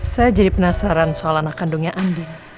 saya jadi penasaran soal anak kandungnya andin